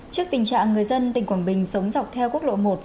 trước tình trạng người dân tỉnh quảng bình sống dọc theo quốc lộ một